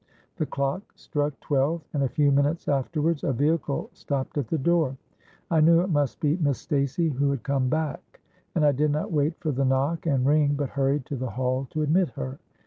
The clock struck twelve; and a few minutes afterwards a vehicle stopped at the door. I knew it must be Miss Stacey who had come back; and I did not wait for the knock and ring, but hurried to the hall to admit her.